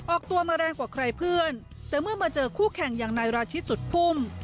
ออกตัวมาแรงกว่าใครเพื่อนแต่เมื่อมาเจอคู่แข่งอย่างนายราชิตสุดพุ่ม